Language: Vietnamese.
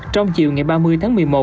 trong chiều ngày ba mươi tháng một mươi một